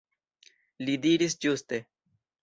Li diris ĝuste.